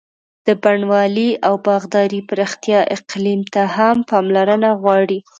د بڼوالۍ او باغدارۍ پراختیا اقلیم ته هم پاملرنه غواړي.